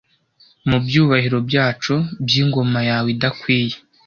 mubyubahiro byacu byingoma yawe idakwiye